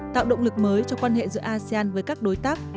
tạo động lực mới cho quan hệ giữa asean với các đối tác